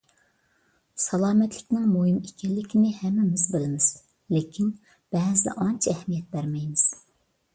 سالامەتلىكنىڭ مۇھىم ئىكەنلىكىنى ھەممىمىز بىلىمىز، لېكىن بەزىدە ئانچە ئەھمىيەت بەرمەيمىز.